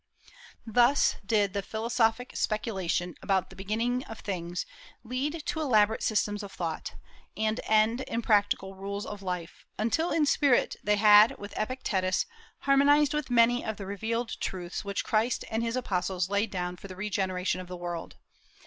Thus did the philosophic speculations about the beginning of things lead to elaborate systems of thought, and end in practical rules of life, until in spirit they had, with Epictetus, harmonized with many of the revealed truths which Christ and his Apostles laid down for the regeneration of the world.